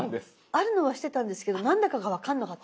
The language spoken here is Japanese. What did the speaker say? あるのは知ってたんですけど何だかが分かんなかった。